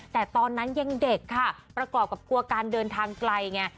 แต่ตอนนั้นยังเด็กค่ะประกอบกับกลัวการเดินทางไกลไง